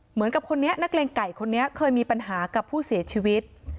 เหมือนกับคนนี้นักเลงไก่คนนี้เคยมีปัญหากับผู้เสียชีวิต